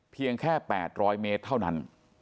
เพียงแค่แปดร้อยเมตรเท่านั้น